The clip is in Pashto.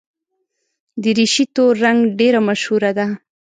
دریشي تور رنګ ډېره مشهوره ده.